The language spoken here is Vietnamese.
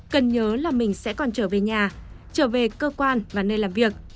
cần nhớ là mình sẽ còn trở về nhà trở về cơ quan và nơi làm việc